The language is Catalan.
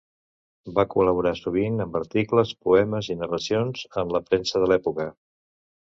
Va col·laborar sovint amb articles, poemes i narracions en la premsa de l'època.